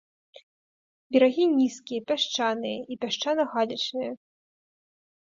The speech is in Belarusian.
Берагі нізкія, пясчаныя і пясчана-галечныя.